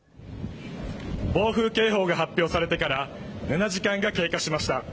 暴風警報が発表されてから７時間が経過しました。